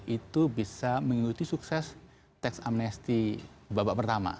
itu bisa mengikuti sukses tax amnesti babak pertama